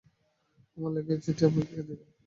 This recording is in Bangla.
আমার লেখা এই চিঠি আপনাকে কে দিল?